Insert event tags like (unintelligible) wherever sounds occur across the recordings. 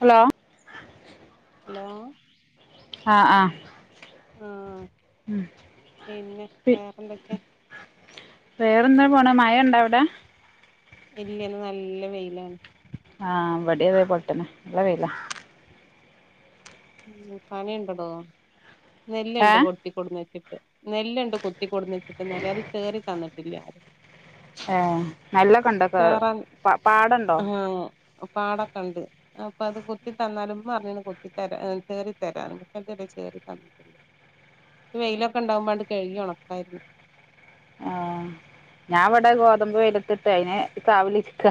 Hello hello ആ ആ ആ പിന്നെ വേറെന്തൊക്കെയാ വേറെന്ത പോണ മഴ ഉണ്ടോ ഇവിടെ ഇല്ലിനു നല്ല വെയിലാണ് ആ ഇവടെ അതേ പോട്ടണ നല്ലവേയ്ലാ ഉം പണിയുണ്ടടോ നെല്ല്ണ്ട് ഏഹ് കൊട്ടികൊടുന്നേ നെല്ലുണ്ട് കുത്തി കൊടുന്ന് വെച്ചിട്ട് നെറിയ അത് ചേറി തന്നിട്ടില്ല ഏ നല്ല കണ്ടക്കെ പ പാടെണ്ടോ പാടൊക്കെണ്ട് അപ്പൊ അത് കുത്തി തന്നാല് ഉമ്മ പറഞ്ഞീന് കുത്തി തര ഏ ചേറി തരാറ്ണ്ട് ചേറി തന്നിട്ട്ണ്ട് ഈ വെയിലൊക്കെ ഇണ്ടാവുമ്പാണ്ട് കഴുകി ഒണക്കായിരുന്നു ആ ഞാൻ ഇവടെ ഗോതമ്പ് വെയ്ലത്തിട്ട് അയിന് കാവിലിരിക്ക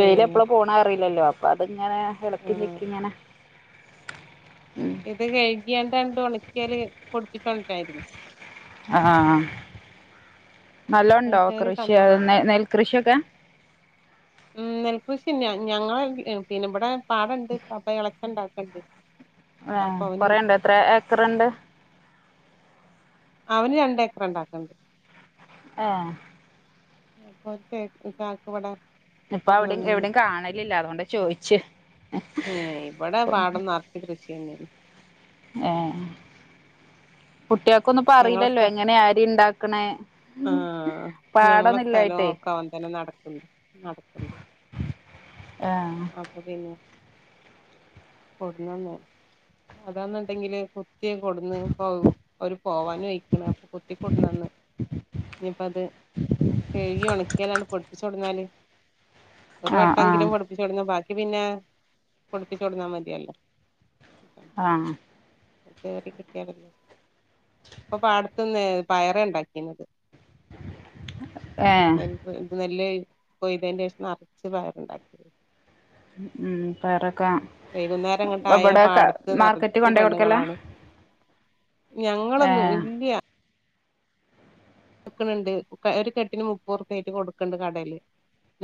വെയില് ഏഹ് എപ്പളാ പോണ അറിയില്ലല്ലോ പ (unintelligible) ഇങ്ങനെ ആഹ് കെടക്കേല്യിരിക്കുവാ ഇങ്ങനെ ഉം ഇത് കഴുകിയാണ്ടങ്ങട്ട് ഒണക്കിയാല് പൊടിപ്പിച്ചൊണ്ട്രായിരുന്ന് ആ അത് നല്ലോണ്ടോ ചേറി കൃഷി അ തന്നാലല്ലേ നെൽകൃഷിയൊക്കെ പിന്നെ ഞങ്ങ പിന്നെ ഇവിടെ പാടുണ്ട് അപ്പൊ ഇളച്ച ഉണ്ടാ (unintelligible) ക്ക (inaudible) ആ കൊറെണ്ട് എത്ര ഏക്കറുണ്ട്. അവന് രണ്ടേക്കറ ഇണ്ടാക്കണ്ട് ആഹ് (unintelligible) ഇപ്പൊ അവിടിം കൊടുന്നന്നീന് എവടിം കാണലില്ല അതുകൊണ്ട് ചോയിച്ച് ഏ ഇവിടെ പാടം നറച്ച് കൃഷിയന്നെയാണ് ഏ ഞങ്ങളെ സ്ഥ കുട്ട്യാക്കൊന്നുപ്പാറിയിലല്ലോ എങ്ങനെ അരി ഇണ്ടാ ക്കണെ ആഹ് ഞങ്ങള സ്ഥലോക്കെ അവൻ തന്നെ നടത്ത്ണ് നടത്ത്ണ്ട് ആഹ് അപ്പൊ പിന്നെ കൊടന്നന്ന് അതാന്നുണ്ടെങ്കില് കുത്തി കൊടുന്ന് ഔ ഒരു പോവാനു ആയിക്കണ അപ്പൊ കുത്തി കൊടുന്നന്ന് ഇനിപ്പത് കഴുകി ഉണക്കിയാലാണ് പൊടിപ്പിചൊട്ന്നാല് ഒരു ആഹ് ആഹ് വട്ടെങ്കിലും വെട് കൊടുന്ന് ബാക്കി പിന്നെ പൊടുപ്പിച്ചൊടന്നാ മതിയല്ലോ ആഹ് ചേറി കിട്ടിയാല് പ്പൊ പാട ത്ത്ന്ന് പയറെണ്ടാക്കിന്നത് ഏഹ് എന്ത് നെല്ലേയ് കൊയ്തേന്റെശം നറച്ച് പയറ്ണ്ടാക്കി (inaudible) ഉം പായറൊക്കെ വൈകുന്നേരം അങ്ങട്ടായ ഇവടെ ക പാടത്ത് മാർക്കറ്റി നിറച്ച് കൊണ്ടയി കൊടുക്കല ഞങ്ങളൊന്നു ഇല്യ കൊടുക്ക്‌ണ് ണ്ട് ഒരു കെട്ടിന് മുപ്പറുപ്പായിറ്റ് കൊടുക്കണ്ട് കടേല്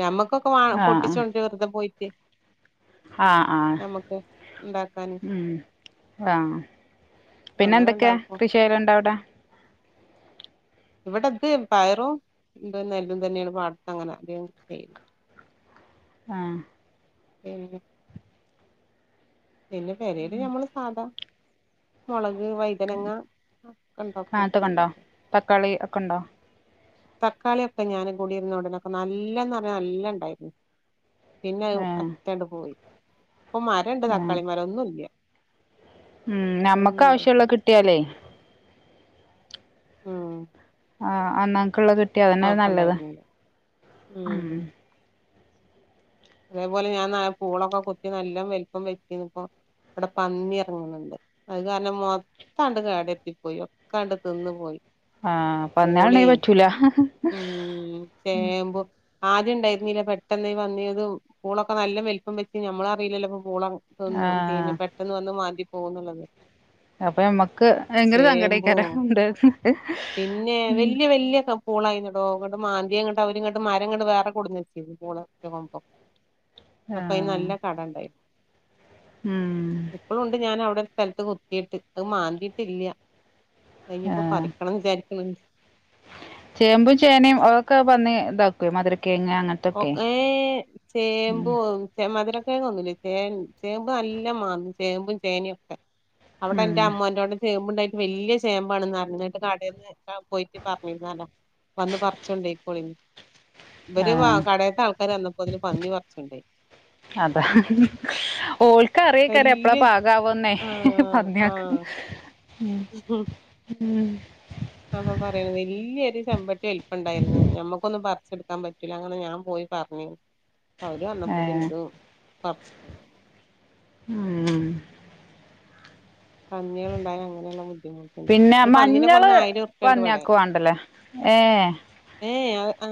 ഞമ്മക്ക് ക്കൊക്കെ പൊട്ടിച്ചുകൊണ്ടരാര്ക്കും പോയിട്ട് ആ ആ ഞമ്മക്ക് ഉണ്ടാക്കാന് മ് ആ അങ്ങനെ പിന്നെന്തൊക്കെ ഉണ്ടാക്കും കൃഷികള് ഇണ്ടവിടെ ഇവിടെ ഇത് പയറും എന്ത നെല്ലും തന്നെയാണ് പാടത്ത് അങ്ങനെ അധികോം ചെയ്യുന്നത് ആ (unintelligible) പിന്നെ പെരെല് ഞമ്മള് സാധാ മൊളക് പിന്നെ വഴുതനങ്ങ ഒക്കെ ഇണ്ടാക്കും (unintelligible) ഒക്കെണ്ടോ തക്കാളിയൊക്കെ ഞാനും കുടിരുന്ന ഉടനൊക്കെ നല്ലന്ന് പറഞ്ഞ നല്ല ഇണ്ടായിരുന്നു പിന്നെ അത് ഏഹ് ഒക്കെങ്ങട് പോയി ഇപ്പൊ മരണ്ട് ഏഹ് തക്കാളി മരം ഒന്നുല്ല ഉം ഞമ്മക്കാവശ്യുള്ളത് ഉണ്ടായിട്ടില്ല കിട്ടിയാലെ മ് ആ അന്നാന്ന്ക്ള്ളത് കിട്ട് കിട്ടിയതന്നെ നല്ലത കൊഴപ്പണ്ടായിരുന്നില്ല മ് ഉം അതേപോലെ ഞാൻ നാല് പൂളൊക്കെ കുത്തി നല്ല വൽപ്പം വെച്ചിന്നു ഇപ്പോ ഇവിടെ പന്നി ഇറങ്ങ്ണ്ണ്ട് അത് കാരണം മൊത്തണ്ട് കേടെര്ത്തിപ്പോയി ഒക്കാണ്ട് തിന്ന് പോയി ആ പന്ന്യേ ള് ണ്ടെങ്കി പൂളീം പറ്റൂല ഉം ചേമ്പും ആദ്യം ഇണ്ടായിര്ന്നില്ല പെട്ടെന്ന് വന്നിയതും പൂളക്കെ നല്ല വെല്പ്പം വെച്ച് ഞമ്മളറീല്ലല്ലോ പൂള ഒന്നും ആഹ് പിന്നെ പെട്ടെന്ന് വന്ന് മാന്തി പോന്നള്ളത് അപ്പൊ മ്മക്ക് ഭയങ്കര സങ്കടേക്കാരം ഇണ്ടാക പിന്നെ വല്ല്യ വല്ല്യ പൂളായിന്നടോ ങ്ങട് മാന്തി ഇങ്ങട്ട് അവരിങ്ങട്ട് മരങ്ങട്ട് വേറെ കൊടുന്ന് വെച്ചിരുന്നു പൂള കൊമ്പോ അപ്പ അയ്ന് ആഹ് നല്ല കട എണ്ടായിരുന്ന് ഉം ഇപ്പളു ഉണ്ട് ഞാനവിടെ സ്ഥലത്ത് കുത്തിയിട്ട് അത് മാന്തിയിട്ടില്ല്യ ആഹ് (unintelligible) (unintelligible) ചേമ്പും ചേനയും അതൊക്കെ വന്ന് ഇതാക്കൊ മധുര ഒ ഏ ഉം ചേമ്പോ മധുര (unintelligible) ചേമ്പ് നല്ല മാന്തും ചേമ്പും ചേനയുക്കെ അവിടെ ഉം എന്റെ അമ്മ ൻ്റോട ചേമ്പു ണ്ട വലിയ ചേമ്പാണ് നിറഞ്ഞിട്ട് കടയിന്ന് പോയിട്ട് പറഞ്ഞിരുന്നാലോ വന്ന് പറച്ചുണ്ടോയികോളി ഇവർ വാ ആഹ് അതാ ഓൾക്ക അറിയക്കാർ എപ്പോഴാ വല്യ പാകവന്നെ പന്നിയക്ക് ഉം ഉം അപ്പൊ പറയണ വല്യൊരു ചെമ്പട്ട വലിപ്പം ഉണ്ടാരുന്നു നമ്മുക്കൊന്നും പറച്ചു എടുക്കാൻ പറ്റൂല അങ്ങനെ ഞാൻ പോയി പറഞ്ഞു. അവർ വനപ്പോ ഏഹ് (unintelligible) പർച്ചി ഉം പന്നികൾ ഉണ്ടായ അങ്ങനെയുള്ള ബുദ്ധിമുട്ടുണ്ട് പിന്നെ ഇനി പന്നി നെ കൊന്ന മഞ്ഞള് ആയിരം രുപ്യുണ്ട് ഇവിടെ പന്നിയാക്ക് വാണ്ടല്ലേ ഏഹ് ഏ ആ ആ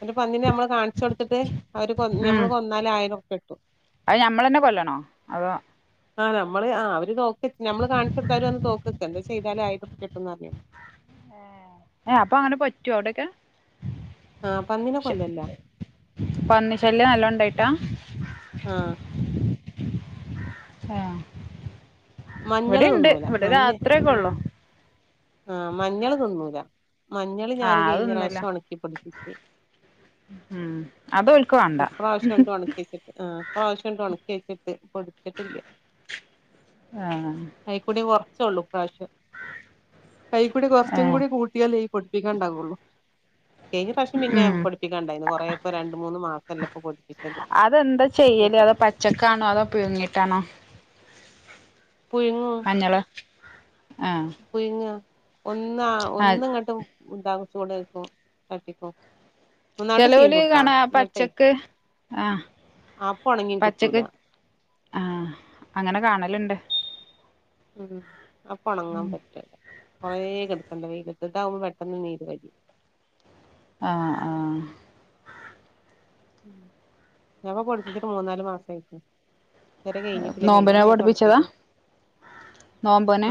പിന്നെ പന്നിനെ നമ്മൾ കാണിച്ചു കൊടുത്തിട്ട് അവർ കൊ നമ്മൾ ഉം കൊന്നാൽ ആയിരം പെട്ടു അത് ഞമ്മളെന്നെ കൊല്ലണോ? അതോ ആ നമ്മള് ആ അവര് നോക്കി വച് നമ്മള് കാണിച്ചു കൊടുത്താ അവര് വന്ന് തോക്കക്കെ എന്തോ ചെയ്താല് ആയിരം ഉർപ്യ കിട്ടുംന്ന് അർഞ്ഞീന്നു. ഏ അപ്പൊ അങ്ങനെ പറ്റോ അവിടെക്കെ? ആഹ് പന്നിനെ ശെ കൊല്ലല്ല പന്നി ശല്യം നല്ലോണ്ടായിട്ടാ ആഹ് ആ മഞ്ഞള് ഇവടീണ്ട് തിന്നൂല ഇവ്ടെ രാത്രിയൊക്കെ ഉള്ളൂ ആ മഞ്ഞള് തിന്നൂല. മഞ്ഞള് ആ ഞാന് കഴിഞ്ഞ അതൊന്നൊല്ല പ്രാവശ്യം ഒണക്കി പൊടിപ്പിച്ച് ഉം അതോൽ ഇപ്രാവശ്യുണ്ട് ഒണക്ക്യേച്ച്ട്ട് ആ ഇപ്രാവശ്യണ്ട് ഒണക്ക്യേച്ചിട്ട് പൊടിപ്ച്ചിട്ടില്ല്യ. ആ അയ്ക്കൂടെ (unintelligible) കൊറച്ചൊള്ളൂ ഇപ്രാവശ്യം. അയ്കൂടി ഏ കൊറച്ചും കൂടി കൂട്ടിയാലേ യി പൊട് പ്പിക്കാണ്ടാവൊള്ളൂ. കയ്ഞ്ഞ പ്രാശ്യം പിന്നെ ഉം പൊടിപ്പിക്കാണ്ടായ്ന്നു കൊറേപ്പൊ രണ്ട് മൂന്ന് മാസ് അതെന്താ ചെയ്യലേ അതോ പച്ചക്കാണോ അതോ പുഴിങ്ങിട്ടാണോ മഞ്ഞള് ആ പുഴിങ്ങ ഒന്ന ആ ഒന്നും ഇങ്ങട്ടും ഉണ്ടാകും ചൂടേക്കും (unintelligible) ഒന്നാണ്ട് ചെലോല് ചീന്തുട്ടാ കാണാ ആ എന്നിട്ടേ പച്ചക്ക് ആ അപ്പൊ ഒണങ്ങി കിട്ടൂല പച്ചക്ക് ആ അങ്ങനെ കാണല്ണ്ട് ഉം അപ്പൊ ഒണങ്ങാൻ പറ്റൂല്ല കൊറേ കെട് പണ്ട് വെയിലത്തിട്ടാവുമ്പൊ പെട്ടെന്ന് നീര് വലിയും ആ ആ ഉം ഞാപ്പൊ പൊടുപ്പിച്ചിട്ട് മൂന്നാല് മാസം ആയിക്ക്ണ് ഇതുവരെ കഴിഞ്ഞിട്ടില്ല നോമ്പിനെ കയ്യാനായി പഠിപ്പിച്ചതാ തൊടക്കിക്ക്ണ്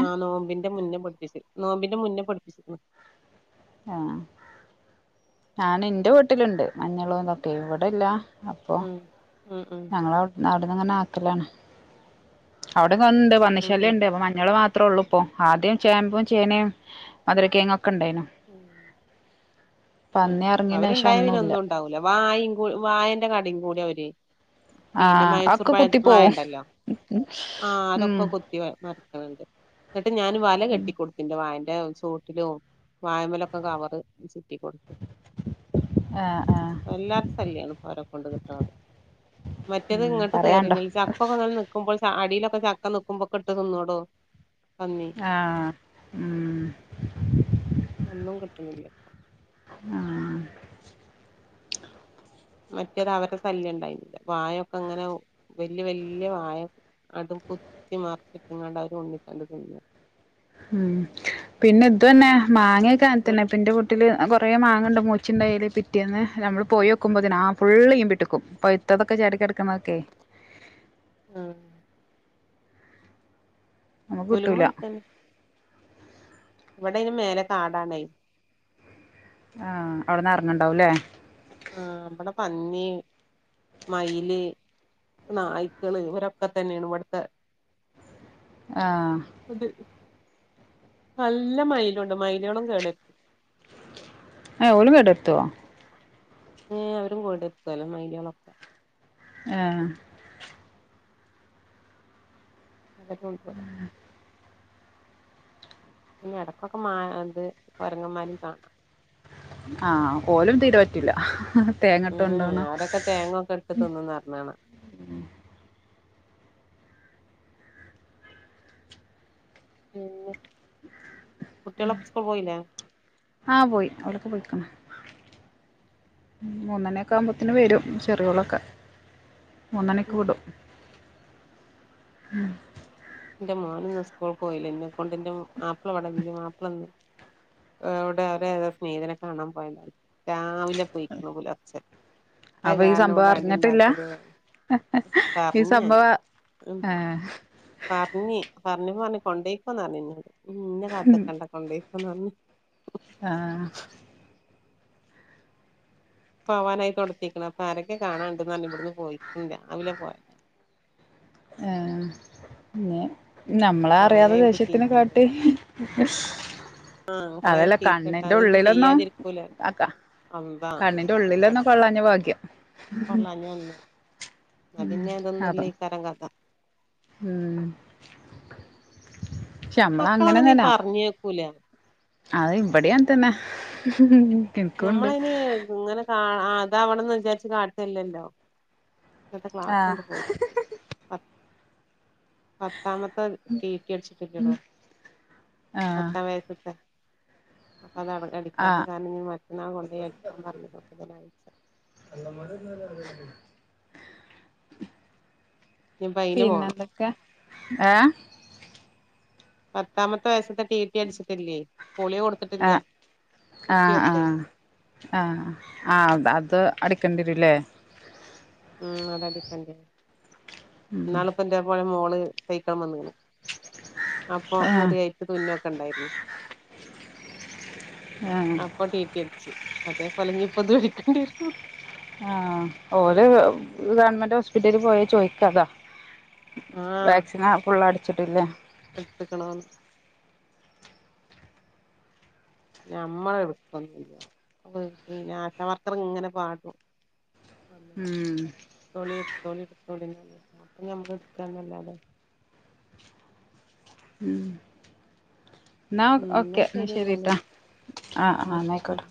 ആ നോമ്പി ന്റെ മുന്നേ പൊടിപ്പിച് നോമ്പിന്റെ മുന്നേ പൊടിപ്പിച്ച്ക്ക്ണ് ആ ഞാൻ ന്റെ വീട്ട്ല്ണ്ട് മഞ്ഞളും ഇതൊക്കെ ഇവിടില്ല അപ്പോ ഉം ഉം ഉം ഞങ്ങളവിടെ ന്നാ അവിടങ്ങനെ ആക്കലാണ് അവിടെ ഇവിടെ (unintelligible) പന്നി ശല്യം ഉം ഇണ്ട് അപ്പോ മഞ്ഞൾമാത് അത്രേ ഉള്ളൂ ഇപ്പൊ ആദ്യം ചേമ്പും ചേനേം മധുരകിഴങ്ങും ഒ ഉം ഉം പന്നി ഇറങ്ങിയന് ശേഷം അവരുണ്ടായ പിന്നെ ഒന്നും ഒന്നുമില്ല ഉണ്ടാവൂല വായ കൂ വായെന്റെ കടയും കൂടെ (unintelligible) പിന്നെ ആ മൈസൂർ ഒക്കെ വാ കുത്തി വാഴ പോവും ണ്ടല്ലോ ആ ഉം അതൊക്കെ കുത്തി മ ആ ഇണ്ട് ഇപ്പൊ ഞാൻ വല കെട്ടി കൊടുത്ത് ന്റെ വായ (unintelligible) ചോട്ടിലും വായമ്മലൊക്കെ കവറ് ട്ടി കൊടുത്ത് ആ ആ വല്ലാത്ത ശല്യം ആണ് ഇപ്പൊ അവരെക്കൊണ്ട് കിട്ട്ണത് മറ്റേത് ഉം ഇങ്ങോട്ട് പറയാണ്ടോ കേറിനില്ല ചക്കക്കെ ഇങ്ങനെ നിക്കുമ്പോൾ ചാട് തൊടിയിലൊക്കെ ചക്ക നിക്കുമ്പോ ട്ട് തിന്നോടോ പന്നി ആ ആ ഉം ഇപ്പം കിട്ട്ണില്ല ആ മറ്റേത് അവരുടെ ശല്യം ണ്ടായിരുന്നില്ല വായൊക്കെ ങ്ങനെ വല്യ വല്യ വായ അതും കുത്തി മറിച്ചിട്ട്ങ്ങാണ്ട് അവര് ഉണ്ണിത്തണ്ട് തിന്നാ ഉം പിന്നെ ഇതെന്നെ മാങ്ങയൊക്കെ അങ്ങനെത്തെന്നെ ബലും ന്റെ വീട്ടില് കൊറേ മാങ്ങ ഉണ്ട് മൂ ച്ച്ണ്ടായ്ലേ പിറ്റേന്ന് നമ്മള് പോയോക്കുമ്പത്തിന് ആ ഫുള്ള് ഈമ്പി ട്ട്ക്കും, പഴ്ത്തതൊക്കെ ചാടിക്കെടക്കണതൊക്കേ കിടക്കുന്നതൊക്കെ ഉം നമുക്ക് പുലുമ കിട്ടൂല. ഇവിടെയ്ന് മേലെ കാടാണെയ് ആഹ് അവിട്ന്നറങ്ങ്ണ്ടാവൂല്ലേ ആ ഇവിടെ പന്നി, മയില്, നായ്ക്കള് ഇവരൊക്കെ തന്നെയാണ് ഇവിട്ത്തെ ആഹ് നല്ല മയിലുണ്ട് മയിലാളും കേടർ ഏ ഓലു കേടര്ത്തോ ഏ അവരും കേട്ത്തല്ലോ മൈലോളൊക്കെ ഏഹ് (unintelligible) പിന്നെ ഇടക്കൊക്കെ മാ അത് കൊരങ്ങന്മാരിം കാണാം ആഹ് ഓലും തീരെ പറ്റില്ല ഉം തേങ്ങട്ടൊണ്ടോണം (inaudible) അവരൊക്കെ തേങ്ങൊക്കെ ഇട്ട് തിന്നുംന്ന് പറഞ്ഞ് കാണാം പിന്നെ ആഹ് കുട്ടികളൊക്കെ സ്കൂൾ പോയില്ലേ ആ പോയി അവലൊക്കെ പൊയിക്ക്ണ് മൂന്നണിയൊക്കെ ആവുമ്പോത്തിന് വരും ചെറിയോളൊക്കെ മൂന്നണിക്ക് വിടും ഉം എന്റെ മോനിന്ന് സ്കൂൾ പോയില്ല എന്നെ കൊണ്ട് എന്റെ മാപ്പള വടെല്ല മാപ്പള ഒന്ന് എവ്ടെ അവരെതോ സ്നേഹതിനെ കാണാൻ പോയതാ രാ രാവിലെ പൊയിക്കണ് പുലർച്ചെ അഅ് അപ്പൊ ഈ കാരണം സംഭവം ഇവിടെ അടി അറിഞ്ഞിട്ടില്ല ഉണ്ടാക്കലും ഈ പറഞ്ഞ് ഞാന് സംഭവം ഉ ഏഹ് പറഞ്ഞ് പറഞ്ഞപ്പോറഞ്ഞ് കൊണ്ടേയ്ക്കോന്നർന്നീനി. ഇന്നെ കാത്ത്ക്കണ്ട കൊണ്ടയ് (unintelligible) ആഹ് പോവാനായി തൊടത്തിക്ക്ണ് അപ്പൊ ആരക്കെ കാണാണ്ട്ന്ന് പറഞ്ഞ് ഇവിടന്ന് പോയി ഇല്ല രാവിലെ പോയാ ആഹ് പിന്നെ നമ്മളാ കൊറേ അറിയാതെ ഇൻക്ക് ദേഷ്യത്തിനെ ചീത്തേം കാട്ടി ആഹ് കൊറെ അതല്ല ചീത്തേട്ട് കണ്ണിന്റെ അത് ഇത് ഉള്ളിലൊന്നും ചെയ്യാതിരിക്കൂല ആക്ക അമ്പാ കണ്ണിന്റെ ഉള്ളിലൊന്നും കൊള്ളാഞ്ഞ ഭാഗ്യം കൊള്ളാഞ്ഞെ നന്നാ പിന്നെ അതാ അതൊന്നുമല്ലെക്കാരം കഥ ഉം പക്ഷെ നമ്മള മക്കളണേ അങ്ങനെ തന്നെ പറഞ്ഞേക്കൂല അത് ഇവിടെ അങ്ങനെതേനെ ഞമ്മളൈന് ഇങ്ങനെ കാ അതാവണന്ന് വിചാരിച്ച് കാട്ടല്ലല്ലോ ഇന്നത്തെ ആഹ് ക്ലാസാണ്ട് പോയി കിട്ടി പത്താമത്തെ ടീറ്റി അടിച്ചിട്ടില്ലടോ ആഹ് പത്താം വയസ്സത്തെ അപ്പത് അടിക്കാത്ത ആഹ് കാരണം ഇനി മറ്റന്നാൾ കൊണ്ടോയി അടിക്കാൻ പറഞ്ഞുതായി (unintelligible) ഇനിപ്പ അയിന് പിന്നെ പോണം എന്തൊക്കെ ഏഹ് പത്താമത്ത വയസത്തെ ടി ടി അടിച്ചട്ടില്ലേ ആഹ് ആഹ് കുത്തിവെപ്പേ ആഹ് ആഹ് ആഹ് അത് അടക്കണ്ടിവരൂലെ ഉം അത് അടക്കണ്ടിവരും ഉം നാളെ ഇപ്പ എൻ്റെ കൂടെ മോ ള് (unintelligible) അപ്പൊ ആഹ് മുറിയായിട്ട് തുന്നൊക്കെ ഉണ്ടായിരുന്നു ആഹ് അപ്പൊ ടി ടി അടിച്ച് അതെ അല്ലെങ്കി ഇപ്പ അത് എട്ക്കണ്ടി വരും ആഹ് ഓരോ ഗവണ്മെൻ്റ് ഹോസ്പിറ്റലി പോയാ ചോയിക്കതാ വാക്സിൻ ആ പുള്ളാ അടു ച്ചിട്ടില്ല വെപ്പിക്കണോന്ന് നമ്മള് എടുക്കുന്നില്ല ആശ വർക്കർ ഇങ്ങനെ പാടും വന്ന്ട്ട് ഉം എടുത്തോളി എടുത്തോളി എടുത്തോളി എന്ന് പറഞ്ഞ് അപ്പ നമ്മള് എടുത്താന്നല്ലാതെ ഉം എന്നാ ഉം ഓക്കെ ഇന്നാ എന്ന ശരി ശരീട്ട ആഹ് ആഹ് ഇന്നാല് എന്നായിക്കോട്ടെ